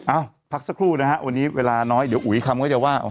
พักสักครู่นะฮะวันนี้เวลาน้อยเดี๋ยวอุ๋ยคำก็จะว่า